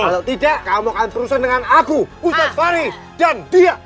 kalau tidak kamu akan perusahaan dengan aku ustadz fahri dan dia